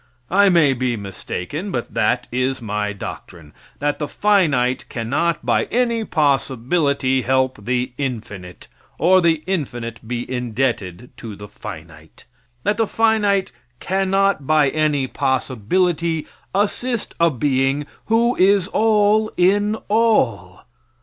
I may be mistaken, but that is my doctrine that the finite cannot by any possibility help the infinite, or the infinite be indebted to the finite; that the finite cannot by any possibility assist a being who is all in all.